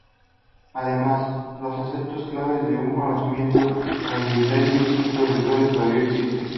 Además, los aspectos claves de su conocimiento hereditario y ciclos rituales todavía existen.